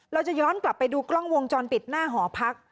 เราจะย้อนกลับไปดูกล้องวงจรปิดหน้าหอพัก